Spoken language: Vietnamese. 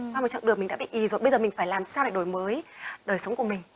qua một trạng đường mình đã bị y rồi bây giờ mình phải làm sao để đổi mới đời sống của mình